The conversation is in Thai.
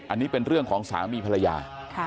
อันนี้เป็นเรื่องของสามีภรรยา